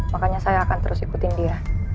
makanya saya akan terus ikutin dia